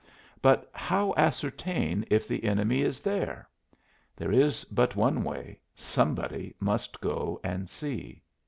But how ascertain if the enemy is there? There is but one way, somebody must go and see.